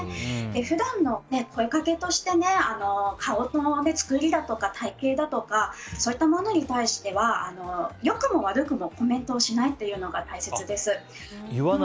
普段の声掛けとして顔の作りだとか体形だとかそういったものに対しては良くも悪くもコメントをしないというのが大切です。